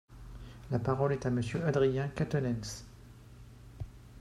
La parole est à Monsieur Adrien Quatennens.